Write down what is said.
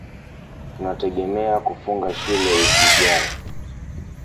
Tunategemea kufunga Shule wiki ijayo.